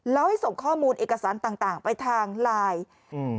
แล้วให้ส่งข้อมูลเอกสารต่างต่างไปทางไลน์อืม